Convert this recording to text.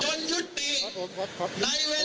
แสดงพลังพร้อมกันทางประเทศ